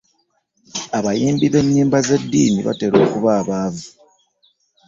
Abayimbi b'ennyimba z'eddiini batera okuba abaavu.